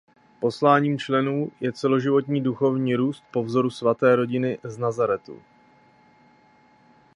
Posláním členů je celoživotní duchovní růst po vzoru svaté rodiny z Nazaretu.